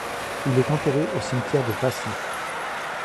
Il est enterré au cimetière de Passy.